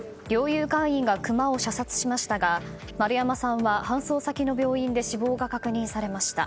猟友会員がクマを射殺しましたが丸山さんは搬送先の病院で死亡が確認されました。